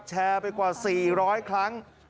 แชร์ไปกว่า๔๐๐ครั้ง